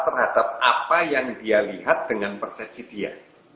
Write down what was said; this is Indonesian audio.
terhadap apa yang dia lihat dengan perset si dia